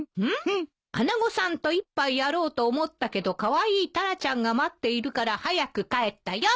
「穴子さんと一杯やろうと思ったけどカワイイタラちゃんが待っているから早く帰ったよ」